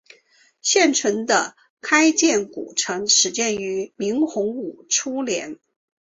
现存的开建古城始建于明洪武初年。